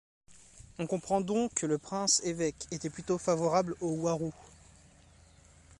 On comprend donc que le prince-évêque était plutôt favorable aux Waroux.